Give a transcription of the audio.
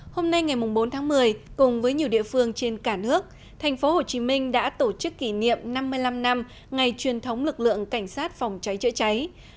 hôm nay ngày bốn tháng một mươi cùng với nhiều địa phương trên cả nước thành phố hồ chí minh đã tổ chức kỷ niệm năm mươi năm năm ngày truyền thống lực lượng cảnh sát phòng cháy chữa cháy